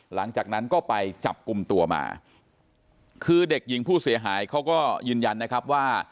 หลังจากนั้นก็ไปจับกลุ่มตัวมาคือเด็กหญิงผู้เสียหายเขาก็ยืนยันนะครับว่า